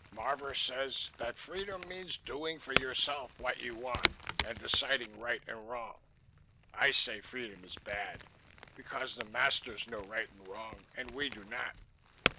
Marvor says that freedom means doing for yourself what you want and deciding right and wrong. I say freedom is bad because the masters know right and wrong and we do not.